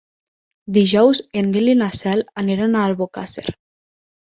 Dijous en Nil i na Cel aniran a Albocàsser.